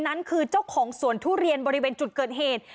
นั้นคือเจ้าของสวนทุเรียนบริเวณจุดเกิดเหตุ